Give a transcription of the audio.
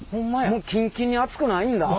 もうキンキンに熱くないんだ。